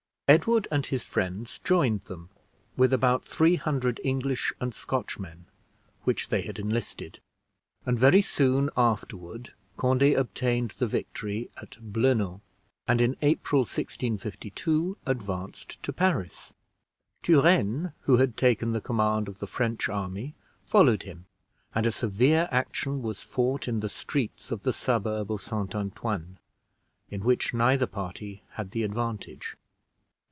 Edward and his friends joined them, with about three hundred English and Scotchmen, which they had enlisted, and very soon afterward Conde obtained the victory at Blenan, and in April, 1652, advanced to Paris. Turenne, who had taken the command of the French army, followed him, and a severe action was fought in the streets of the suburb of St. Antoine, in which neither party had the advantage.